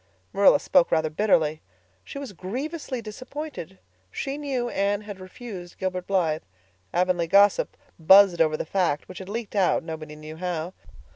Marilla spoke rather bitterly. She was grievously disappointed. She knew Anne had refused Gilbert Blythe. Avonlea gossip buzzed over the fact, which had leaked out, nobody knew how.